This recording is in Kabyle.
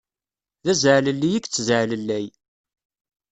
D azaɛlelli i yettzaɛlellay.